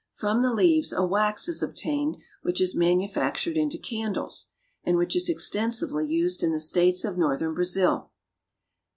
From the leaves a wax is obtained which is manufactured into candles, and which is extensively used in the states of northern Brazil.